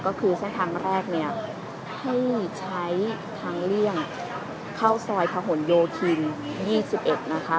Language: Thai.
ก็คือเส้นทางแรกเนี่ยให้ใช้ทางเลี่ยงเข้าซอยผนโยธิน๒๑นะคะ